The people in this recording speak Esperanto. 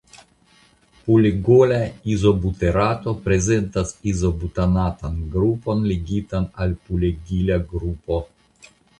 Pulegola izobuterato prezentas izobutanatan grupon ligitan al pulegila grupo.